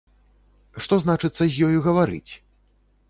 Што, значыцца, з ёю гаварыць!